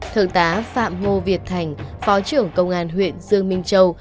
thượng tá phạm ngô việt thành phó trưởng công an huyện dương minh châu